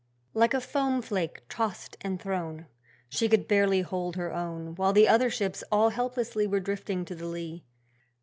Like a foam flake tossed and thrown, She could barely hold her own, While the other ships all helplessly were drifting to the lee.